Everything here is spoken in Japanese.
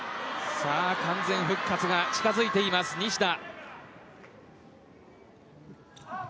完全復活が近づいています西田。